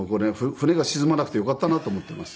船が沈まなくてよかったなと思っています。